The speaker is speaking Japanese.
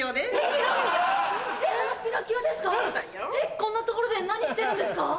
こんな所で何してるんですか？